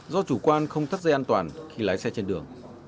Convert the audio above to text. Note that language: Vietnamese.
do chủ quan không thắt dây an toàn khi lái xe trên đường